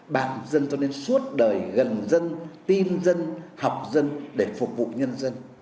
bàn dân cho nên suốt đời gần dân tin dân học dân để phục vụ nhân dân